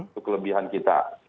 itu kelebihan kita